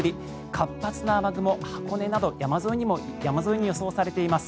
活発な雨雲、箱根など山沿いに予想されています。